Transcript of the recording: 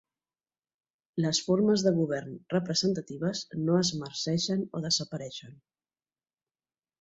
Les formes de govern representatives no es marceixen o desapareixen.